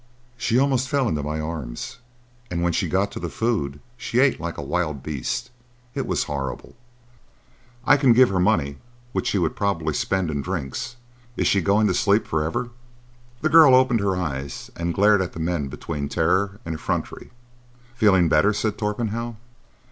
She almost fell into my arms, and when she got to the food she ate like a wild beast. It was horrible." "I can give her money, which she would probably spend in drinks. Is she going to sleep for ever?" The girl opened her eyes and glared at the men between terror and effrontery. "Feeling better?" said Torpenhow.